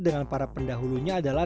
dengan para pendahulunya adalah